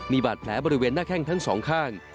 มีบาดแผลบริเวณหน้าแข้งทั้งสองข้าง